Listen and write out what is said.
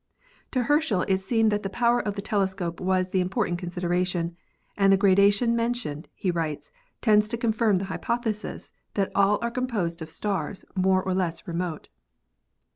To Herschel it seemed that the power of the telescope was the important consideration, and the gradation mentioned, he writes, "tends to confirm the hypothesis that all are composed of stars more or less remote."